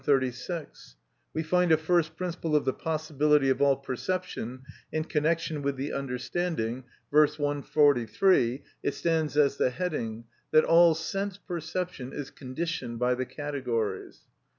136, we find a first principle of the possibility of all perception in connection with the understanding. V. p. 143, it stands as the heading, that all sense perception is conditioned by the categories.